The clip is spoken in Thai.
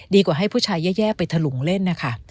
กว่าให้ผู้ชายแย่ไปถลุงเล่นนะคะ